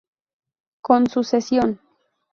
Con sucesión.